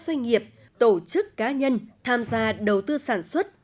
doanh nghiệp tổ chức cá nhân tham gia đầu tư sản xuất